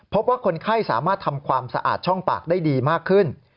พบว่าคนไข้สามารถทำความสะอาดช่องปากได้ดีมากขึ้น